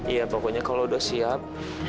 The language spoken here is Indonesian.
iya pokoknya kalau udah siap